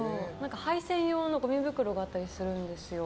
灰専用のごみ袋があったりするんですよ。